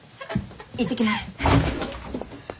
いってきます。